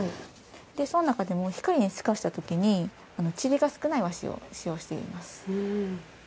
その中でも光に透かした時にちりが少ない和紙を使用しています。